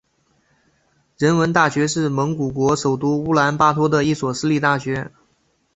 人文大学是蒙古国首都乌兰巴托的一所私立大学。